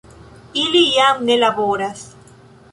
Ili jam ne laboras.